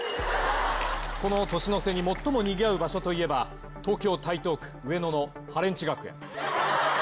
この年の瀬に最もにぎわう場所といえば、東京・台東区上野のハレンチ学園。